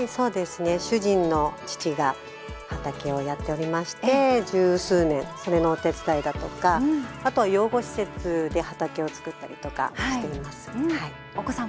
主人の父が畑をやっておりまして十数年、お手伝いとかあとは養護施設で畑を作ったりとかしています。